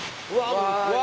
うわ！